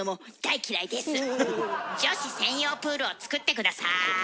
女子専用プールをつくって下さい。